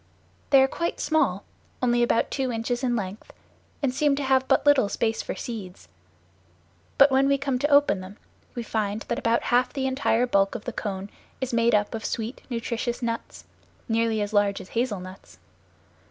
They are quite small, only about two inches in length, and seem to have but little space for seeds; but when we come to open them, we find that about half the entire bulk of the cone is made up of sweet, nutritious nuts, nearly as large as hazel nuts.